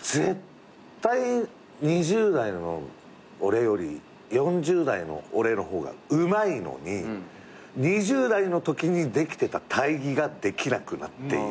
絶対二十代の俺より四十代の俺の方がうまいのに二十代のときにできてた体技ができなくなっている。